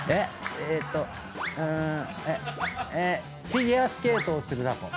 フィギュアスケートをするタコ。